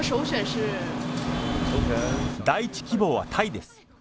第一希望はタイです。